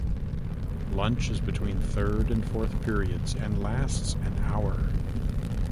Lunch is between third and fourth periods, and lasts an hour.